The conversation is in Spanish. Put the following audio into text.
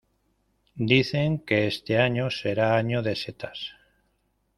Dicen que este año será año de setas.